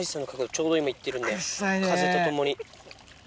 ちょうど今行ってるんで風とともに。